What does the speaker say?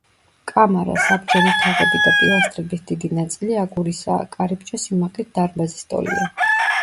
კამარა, საბჯენი თაღები და პილასტრების დიდი ნაწილი აგურისაა კარიბჭე სიმაღლით დარბაზის ტოლია.